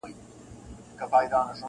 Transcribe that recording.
د ژوند له ټاله به لوېدلی یمه-